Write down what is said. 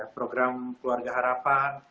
program keluarga harapan